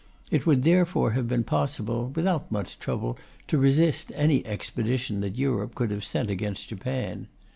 It would therefore have been possible, without much trouble, to resist any expedition that Europe could have sent against Japan.